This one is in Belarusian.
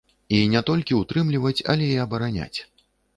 І не толькі ўтрымліваць, але і абараняць.